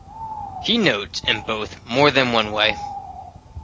He notes in both More Than One Way?